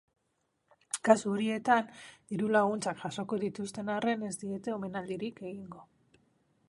Kasu horietan, diru-laguntzak jasoko dituzten arren, ez diete omenaldirik egingo.